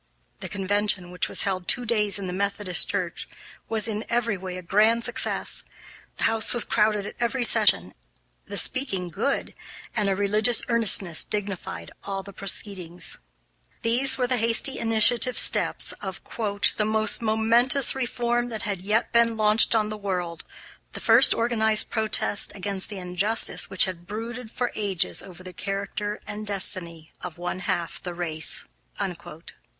The convention, which was held two days in the Methodist Church, was in every way a grand success. The house was crowded at every session, the speaking good, and a religious earnestness dignified all the proceedings. These were the hasty initiative steps of "the most momentous reform that had yet been launched on the world the first organized protest against the injustice which had brooded for ages over the character and destiny of one half the race."